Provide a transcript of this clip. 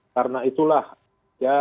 karena itulah dia